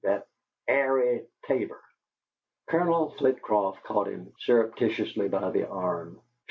That Arie Tabor " Colonel Flitcroft caught him surreptitiously by the arm.